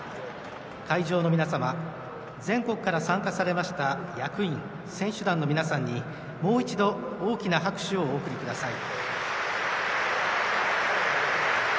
会場の皆様全国から参加されました役員・選手団の皆さんにもう一度大きな拍手をお送りください。